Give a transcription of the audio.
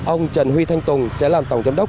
ông trần huy thanh tùng sẽ làm tổng giám đốc